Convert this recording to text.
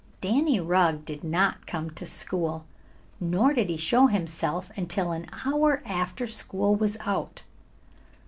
Danny Rugg did not come to school, nor did he show himself until an hour after school was out.